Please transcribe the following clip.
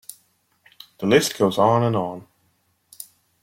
The list goes on and on.